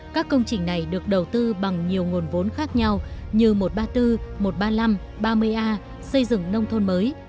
các công trình này được đầu tư bằng nhiều nguồn vốn khác nhau như một trăm ba mươi bốn một trăm ba mươi năm ba mươi a xây dựng nông thôn mới